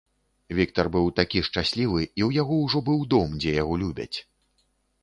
Віктар быў такі шчаслівы, і ў яго ўжо быў дом, дзе яго любяць.